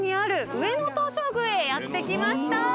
やって来ました。